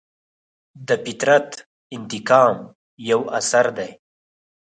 د فطرت انتقام یو اثر دی.